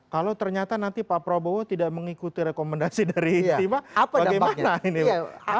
kalau ternyata nanti pak prabowo tidak mengikuti rekomendasi dari fifa bagaimana ini